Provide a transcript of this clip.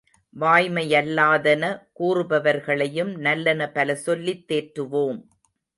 வாய்மையல்லாதன கூறுபவர்களையும் நல்லன பல சொல்லித் தேற்றுவோம்.